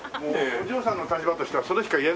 お嬢さんの立場としてはそれしか言えないもんね。